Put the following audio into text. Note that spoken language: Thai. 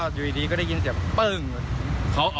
แล้วก็อยู่ดีก็ได้ยินเสียงเปิ้ง